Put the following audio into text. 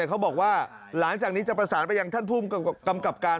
เขาบอกว่าหลังจากนี้จะประสานไปยังท่านผู้กำกับการ